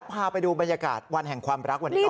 พาไปดูบรรยากาศวันแห่งความรักวันนี้ก่อน